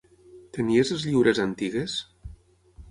Tenies les lliures antigues?